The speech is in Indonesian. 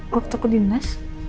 waktu aku di unes